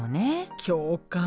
共感。